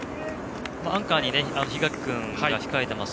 アンカーに檜垣君が控えています。